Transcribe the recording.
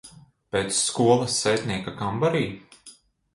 Pēc skolas sētnieka kambarī?